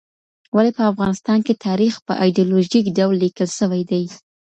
ولې په افغانستان کې تاریخ په ایډیالوژیک ډول لیکل سوی دی؟